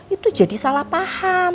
itu jadi salah paham